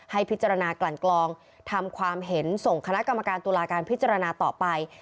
ให้พิจารณากลั่นกลองทำความเห็นส่งคณะกรรมการตุลาการพิจารณาต่อไป